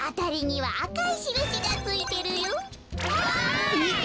はい。